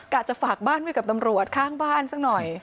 จะฝากบ้านไว้กับตำรวจข้างบ้านสักหน่อย